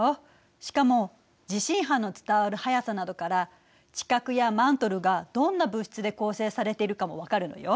しかも地震波の伝わる速さなどから地殻やマントルがどんな物質で構成されているかも分かるのよ。